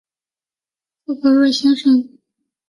富格瑞先生带着一瓶威士忌过来看望柯南。